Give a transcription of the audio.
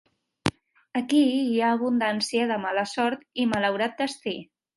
Aquí hi ha abundància de mala sort i malaurat destí.